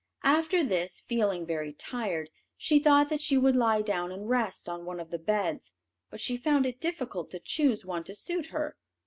After this, feeling very tired, she thought she would lie down and rest on one of the beds, but she found it difficult to choose one to suit her.